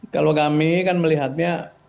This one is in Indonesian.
kalau kami kan melihatnya